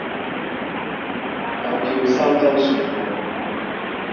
有票收都算好